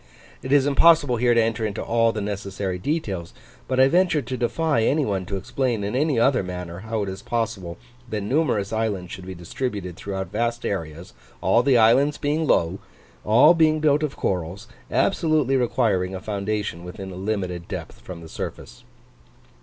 It is impossible here to enter into all the necessary details, but I venture to defy any one to explain in any other manner how it is possible that numerous islands should be distributed throughout vast areas all the islands being low all being built of corals, absolutely requiring a foundation within a limited depth from the surface.